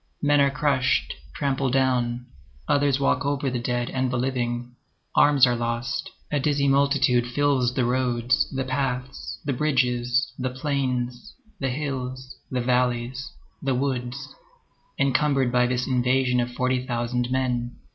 Men are crushed, trampled down, others walk over the dead and the living. Arms are lost. A dizzy multitude fills the roads, the paths, the bridges, the plains, the hills, the valleys, the woods, encumbered by this invasion of forty thousand men.